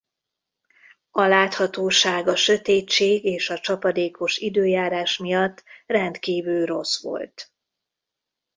A láthatóság a sötétség és a csapadékos időjárás miatt rendkívül rossz volt.